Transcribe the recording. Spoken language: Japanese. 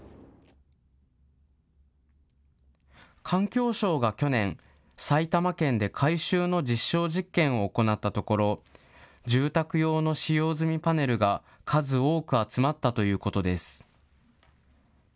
環境省が去年、埼玉県で回収の実証実験を行ったところ、住宅用の使用済みパネルが数多く集まったということです。